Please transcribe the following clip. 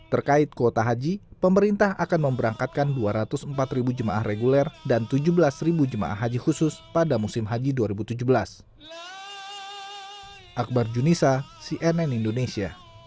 terkait kuota haji pemerintah akan memberangkatkan dua ratus empat jemaah reguler dan tujuh belas jemaah haji khusus pada musim haji dua ribu tujuh belas